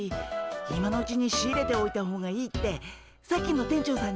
今のうちに仕入れておいた方がいいってさっきの店長さんにつたえておこうかなあ。